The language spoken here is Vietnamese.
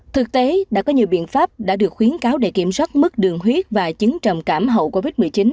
thực tế đã có nhiều biện pháp đã được khuyến cáo để kiểm soát mức đường huyết và chứng trầm cảm hậu covid một mươi chín